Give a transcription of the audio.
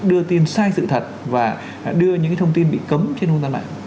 đưa tin sai sự thật và đưa những thông tin bị cấm trên không gian mạng